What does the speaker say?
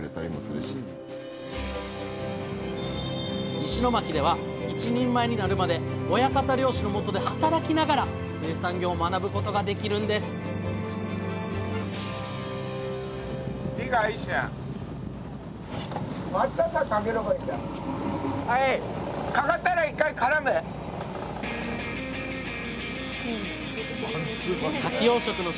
石巻では一人前になるまで親方漁師のもとで働きながら水産業を学ぶことができるんですかき養殖の仕事を始めて１年半。